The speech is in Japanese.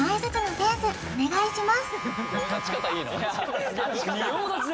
お願いします